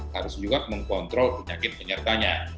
harus juga mengkontrol penyakit penyertanya